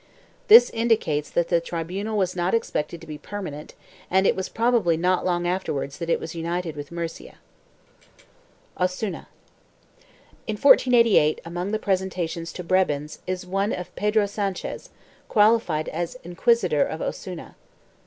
This indicates that the tribunal was not expected to be permanent and it was probably not long afterwards that it was united with Murcia, q. v* OSUNA. In 1488, among the presentations to prebends is one of Pedro Sanchez, qualified as Inquisitor of Osuna.